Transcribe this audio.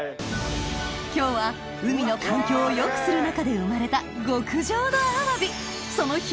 今日は海の環境を良くする中で生まれたうわ！